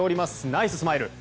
ナイススマイル！